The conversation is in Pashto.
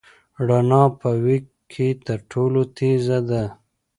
رڼا په وېګ کې تر ټولو تېز ده.